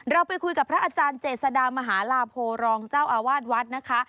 เราไปคุยกับพระอาจารย์เจษดามหาลาโพรองเจ้าอาวาสวัดนะคะ